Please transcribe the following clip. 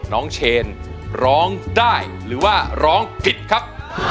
เชนร้องได้หรือว่าร้องผิดครับ